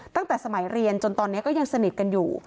ตั้งแต่สมัยเรียนจนตอนนี้ก็ยังสนิทกันอยู่